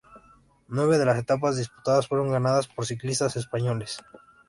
Nueve de las etapas disputadas fueron ganadas por ciclistas españoles.